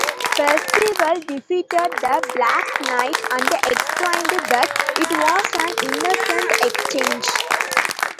Perceval defeated the black knight and explained that it was an innocent exchange.